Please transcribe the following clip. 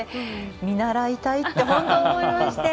見習いたいって本当、思いまして。